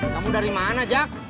kamu dari mana jack